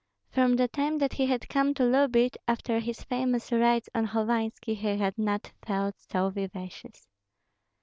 From the time that he had come to Lyubich, after his famous raids on Hovanski, he had not felt so vivacious.